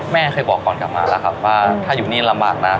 แม่เคยบอกก่อนกลับมาแล้วครับว่าถ้าอยู่นี่ลำบากนะ